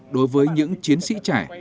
đối với những chiến sĩ trẻ